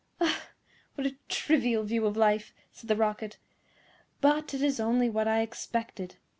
"Ah! what a trivial view of life!" said the Rocket; "but it is only what I expected.